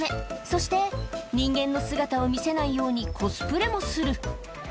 そして、人間の姿を見せないようにコスプレもする。